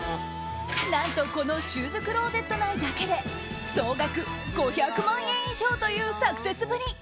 何とこのシューズクローゼット内だけで総額５００万円以上というサクセスぶり。